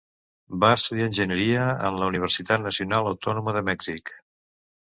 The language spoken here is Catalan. Va estudiar Enginyeria en la Universitat Nacional Autònoma de Mèxic.